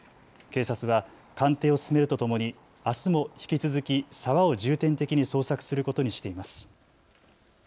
警察は鑑定を進めるとともにあすも引き続き沢を重点的に捜索することにしています。